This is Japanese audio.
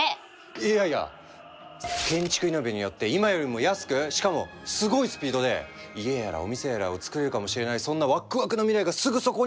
いやいや建築イノベによって今よりも安くしかもすごいスピードで家やらお店やらをつくれるかもしれないそんなワックワクな未来がすぐそこに！